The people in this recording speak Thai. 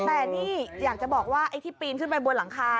แต่นี่อยากจะบอกว่าไอ้ที่ปีนขึ้นไปบนหลังคา